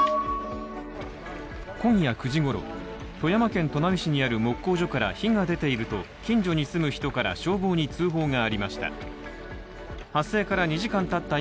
今夜９時ごろ富山県砺波市にある木工所から火が出ていると近所に住む人から消防に通報がありました発生から２時間たった